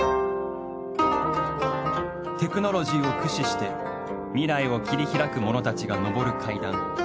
テクノロジーを駆使して未来を切り拓く者たちが昇る階段。